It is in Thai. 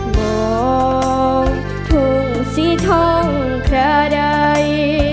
มองถึงสีทองขระใด